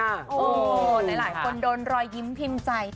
หลายคนโดนรอยยิ้มพิมพ์ใจ